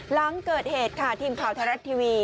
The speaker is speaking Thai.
หลังเกิดเหตุค่ะทีมข่าวไทยรัฐทีวี